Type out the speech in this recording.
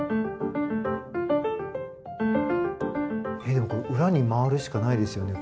当時の裏に回るしかないですよね